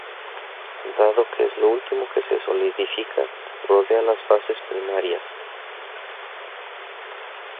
Dado que es lo último que se solidifica, rodea las fases primarias.